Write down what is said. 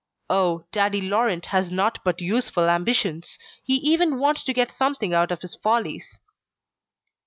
Oh! daddy Laurent has naught but useful ambitions; he even wants to get something out of his follies."